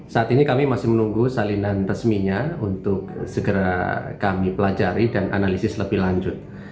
saat ini kami masih menunggu salinan resminya untuk segera kami pelajari dan analisis lebih lanjut